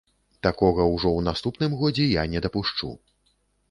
Такога ўжо ў наступным годзе я не дапушчу.